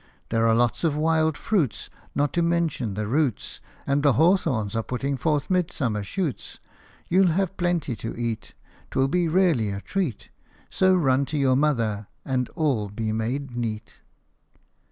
There are lots of wild fruits, Not to mention the roots, And the hawthorns are putting forth midsummer shoots. You '11 have plenty to eat 'T will be really a treat ; So run to your mother, and all be made neat